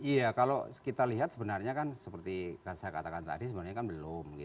iya kalau kita lihat sebenarnya kan seperti saya katakan tadi sebenarnya kan belum